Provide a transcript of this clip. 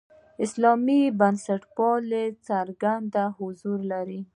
اسلامي بنسټپالنې پدیده څرګند حضور لري.